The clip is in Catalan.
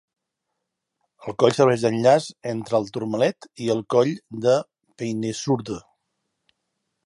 El coll serveix d'enllaç entre el Tourmalet i el coll del Peyresourde.